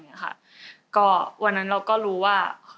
ก็วันนั้นเราก็รู้ว่า